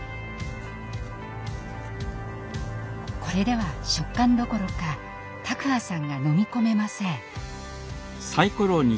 これでは食感どころか卓巴さんが飲み込めません。